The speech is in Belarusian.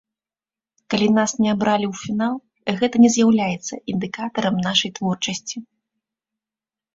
Калі нас не абралі ў фінал, гэта не з'яўляецца індыкатарам нашай творчасці.